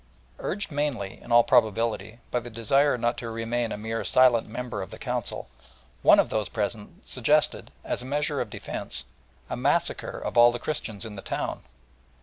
Urged, mainly, in all probability, by the desire not to remain a mere silent member of the Council, one of those present suggested, as a measure of defence, a massacre of all the Christians in the town.